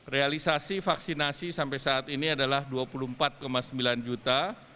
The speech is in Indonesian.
realisasi vaksinasi sampai saat ini adalah dua puluh empat sembilan juta